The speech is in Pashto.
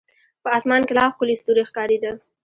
په اسمان کې لا ښکلي ستوري ښکارېده.